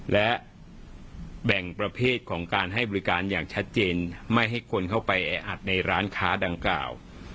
และแบ่งประเภทของการให้บริการอย่างชัดเจนไม่ให้คนเข้าไปแออัดในร้านค้าดังกล่าว